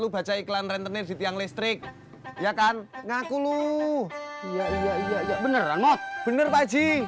bener pak haji